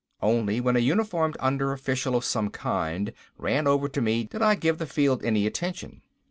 Only when a uniformed under official of some kind ran over to me, did I give the field any attention.